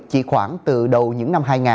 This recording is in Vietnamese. chỉ khoảng từ đầu những năm hai nghìn